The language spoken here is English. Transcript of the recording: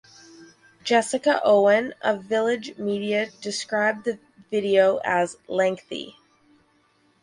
Jessica Owen of Village Media described the video as "lengthy".